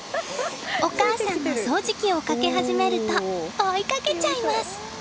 お母さんが掃除機をかけ始めると追いかけちゃいます！